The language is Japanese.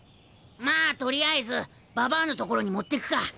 まあ取りあえずババアのところに持ってくか。